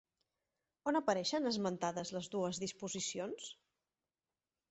On apareixen esmentades les dues disposicions?